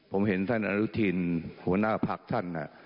ผมเห็นท่านอนุทินหัวหน้าพักท่าน